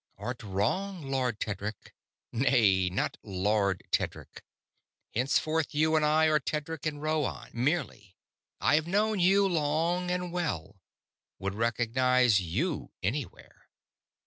"Art wrong, Lord Tedric nay, not 'Lord' Tedric; henceforth you and I are Tedric and Rhoann merely I have known you long and well; would recognize you anywhere.